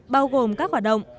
bao gồm các hoạt động